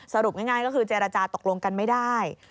สรุปง่ายก็คือเจรจาตกลงกันไม่ได้